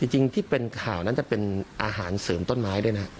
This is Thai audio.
จริงที่เป็นข่าวนั้นจะเป็นอาหารเสริมต้นไม้ด้วยนะ